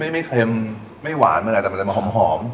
ไม่เค็มไม่หวานไม่อะไรแต่มันจะมีความหอม